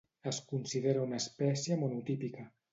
Es considera una espècie monotípica.